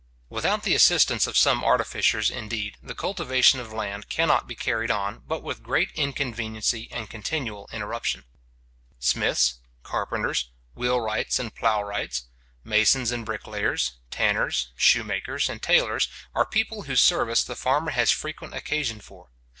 Without the assistance of some artificers, indeed, the cultivation of land cannot be carried on, but with great inconveniency and continual interruption. Smiths, carpenters, wheelwrights and ploughwrights, masons and bricklayers, tanners, shoemakers, and tailors, are people whose service the farmer has frequent occasion for.